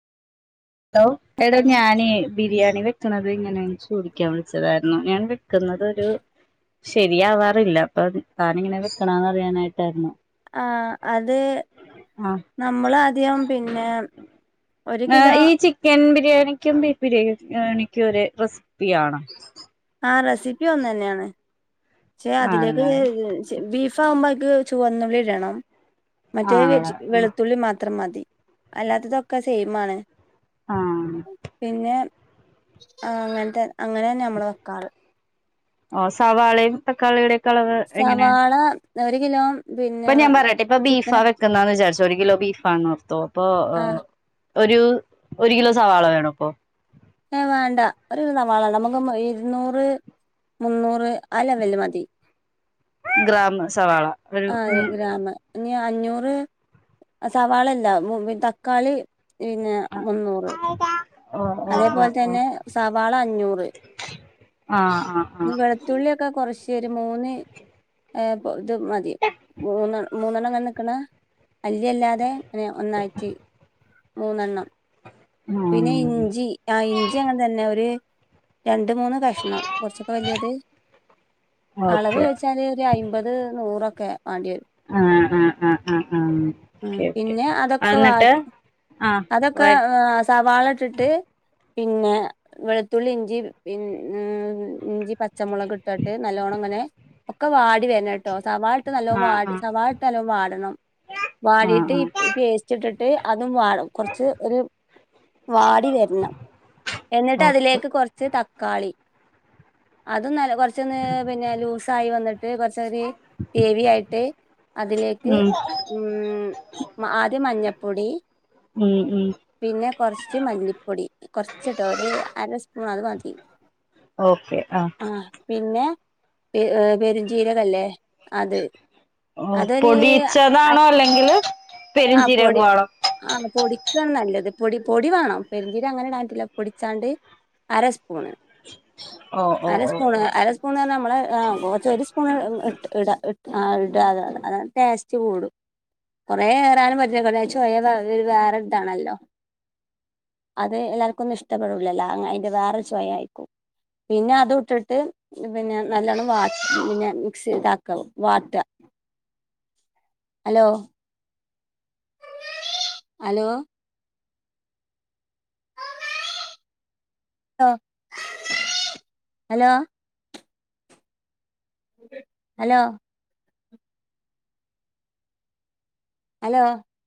Hello എടാ ഞാനെ ബിരിയാണി വെക്കണന്നത് ഇങ്ങനെന്ന് ചോദിക്കാൻ വിളിച്ചതാരുന്നു ഞാൻ ഒ - നിക്കുന്നതൊരു ശരിയാവാറില്ല അപ്പം അത് ആാ അത് ആഹ് നമ്മാളാദ്യം പിന്നെ ഒര് ആഹ് കിലോ ഈ ചിക്കൻ ബിരിയാണിക്കും ബീഫ് ബിരിയാണിക്കും ഒരേ റെസിപ്പിയണോ ആ റെസിപ്പി ഒന്നന്നെയാണ് പശെ അതിലേക്ക് ആണല്ലേ ബീഫാകുമ്പോ ക്ക് ചുവന്നുള്ളി ഇടണം. മറ്റേ വെ ആണല്ലേ വെളുത്തുള്ളി മാ മാത്രം മതി അല്ലാത്തതൊക്കെ സെയിമാണ്. ആഹ് പിന്നെ ആഹ് അങ്ങനെത്തെ അങ്ങനെന്നാ നമ്മള് ആ ഓ സാവാളയെ തക്കളിടെ കളർ എങ്ങനെയാ ഒര് കിലോ പിന്നെ ഇപ്പം ഞാൻ പറയട്ടെ ഇപ്പം ബീഫാ ചിക്കന് വെക്കുന്നേന്ന് വിചാരിച്ചേ ഒര് കിലോ ബീഫാന്നോർത്തോ അപ്പൊ ആഹ് ഏഹ് ഒ ഒരു ഒര് കിലോ സവാളവേണ അപ്പം ഏഹ് വേണ്ട ഒര് സവാള നമക്ക് ഇരുന്നൂറ് മുന്നൂറ് ആ ലെവല് മതി ഗ്രമ് സവാള ഒരു ആഹ് ഗ്രാമ് ഇ അഞ്ഞൂറ് സവാളല്ലാ മൂ തക്കാളി പിന്നെ മുന്നൂറ് ഓ ഓ ഓ അതേപോലെ ഓ തന്നെ സവാള അഞ്ഞൂറ് ആഹ് ആഹ് ഇനി ആഹ് വെളുത്തുള്ളിയൊക്കെ കൊറച്ച് ഒര് മൂന്ന് ഏ ഇത് മതി മൂന്നെ മൂന്നെണ്ണ ഇങ്ങനെ നിക്ക്ണെ അല്ലി അല്ലാതെ ഇങ്ങനെ ഒന്നായിട്ട് മൂന്നെണ്ണം പിന്നെ ഉം ഇഞ്ചി ആ ഇഞ്ചി അങ്ങനെ തന്നെ ഒര് രണ്ട് മൂന്ന് കഷ്ണം കൊറച്ചൊക്കെ വല്യത് അളവ് ഓക്കെ ചോയിച്ചാല് ഒര് അയ്മ്പത് നൂറൊക്ക ക്കെ ആഹ് ആഹ് ആഹ് ആഹ് ഉം ഓക്കെ ഓക്കെ പിന്നെ ആ അതൊക്കെ വാ ന്നിട്ട് അതൊക്കെ സവാള ഇട്ടിട്ട് പിന്നെ വെളുത്തുള്ളി, ഇഞ്ചി പിന്ന മ്മ് ഇഞ്ചി, പച്ചമുളക് ഇട്ടാട്ട് നല്ലോണം ങ്ങനെ ക്കെ വാ ടിവരണം ട്ടോ സവാളട്ട് നല്ലോം ആഹ് വാട് ആഹ് സവാളട്ട് നല്ലോം വാടണം വാടീട്ട് ആഹ് ഈ ആഹ് പേസ്റ്റ് ഇട്ട്- ട്ട് അതും വാ- കൊറ്ച്ച് ഒരു വാടി വര്ണം എന്നിട്ട് ഓക്കെ അതിലേക്ക് കോർച്ച് തക്കാളി അതും നല്ലോ- കുറച്ചൊന്ന് പിന്നെ ലൂസായി വന്നിട്ട് കുറച്ച ഒരു ഹെവി ആയിട്ട് അതിലേക്ക് ഉം മ്മ് ആദ്യം മഞ്ഞപ്പൊടി ഉം ഉം പിന്നെ കൊർച്ച് മല്ലിപ്പൊടി കുറച്ച്ട്ടോ ഒര് അര സ്പൂൺ അത് മതി ഓക്കെ ആഹ് ഏ ഹ് പെര്ഞ്ചീരകല്ലേ ഓ പൊടിച്ചതാണോ അല്ലെങ്കില് ആ പൊടി പെരുംജീരകവാണോ ആ പൊടിക്കാണ് നല്ലത് അത് പൊടി പൊടി വേണം പെരിഞ്ചീരം അങ്ങനെ ഇടാടൻ പറ്റൂല പൊടിച്ചാണ്ട് അരസ്പൂണ് ഓ ഓ ഓ അരസ്പൂണ് ഓ അരസ്പൂണ് നമ്മളെ ആ കുറച്ച് ഒരു സ്പൂണ് ഇട ആ ഇട അത ടേസ്റ്റ് കൂടും കുറേ നും പറ്റ ചോയ് വേറെ ഇതാണല്ലോ അത് എല്ലാർക്കും ഒന്നും ഇഷ്ടപ്പെടില്ലല്ല അതിന്റെ വേറെ ചോയ ആയിക്കും പിന്നെ അത് ഇട്ടിട്ട് പിന്നെ നല്ലോണം വാ പിന്ന മിക്സി ഇതാക്ക വാട്ട hello hello hello hello hello